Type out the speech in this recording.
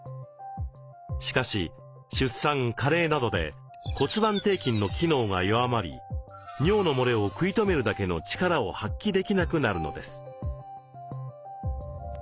しかし出産加齢などで骨盤底筋の機能が弱まり尿のもれを食い止めるだけの力を発揮できなくなるのです。